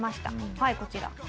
はいこちら。